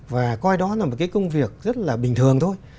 và coi đó là một cái công việc rất là bình thường thôi